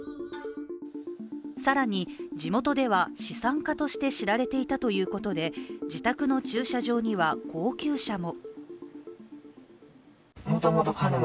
更に、地元では資産家として知られていたということで自宅の駐車場には高級車も。